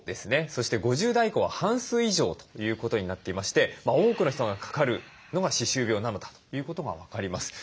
そして５０代以降は半数以上ということになっていまして多くの人がかかるのが歯周病なのだということが分かります。